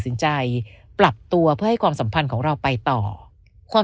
สินใจปรับตัวเพื่อให้ความสัมพันธ์ของเราไปต่อความ